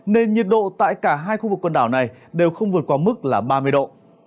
nên nhiệt độ tại cả hai khu vực quần đảo này đều không vượt qua mức là ba mươi độ